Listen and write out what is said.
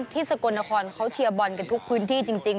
ที่สกนครเขาเชียบอนกับทุกพื้นที่จริง